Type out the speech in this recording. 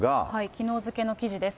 きのう付けの記事です。